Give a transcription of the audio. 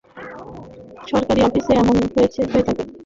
সরকারি অফিসে এমন হয়েই থাকে।